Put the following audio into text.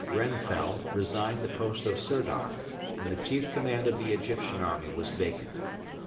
Grenfell resigned the post of Sirdar, and the chief command of the Egyptian army was vacant.